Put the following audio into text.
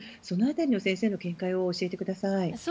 その辺りの先生の見解を教えてください。